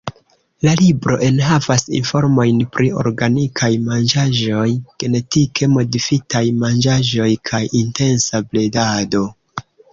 La libro enhavas informojn pri organikaj manĝaĵoj, genetike modifitaj manĝaĵoj kaj intensa bredado.